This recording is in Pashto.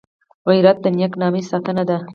غیرت د نېک نامۍ ساتنه ده